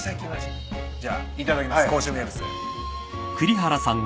じゃあいただきます甲州名物。